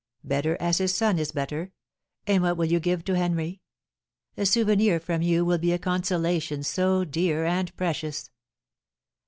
"Better as his son is better. And what will you give to Henry? A souvenir from you will be a consolation so dear and precious!"